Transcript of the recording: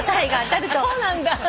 そうなんだ。